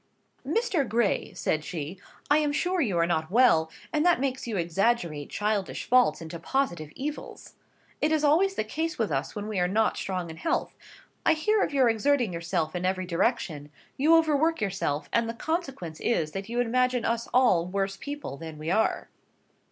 "Mr. Gray," said she, "I am sure you are not well; and that makes you exaggerate childish faults into positive evils. It is always the case with us when we are not strong in health. I hear of your exerting yourself in every direction: you overwork yourself, and the consequence is, that you imagine us all worse people than we are."